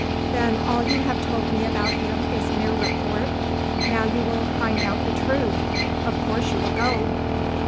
"Then all you have told me about him is mere report? Now you will find out the truth! Of course you will go?"